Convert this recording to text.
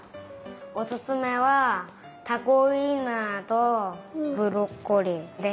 おすすめはたこウインナーとブロッコリーです。